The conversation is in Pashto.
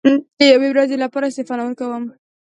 د یوې ورځې لپاره استعفا نه ورکووم.